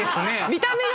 見た目が。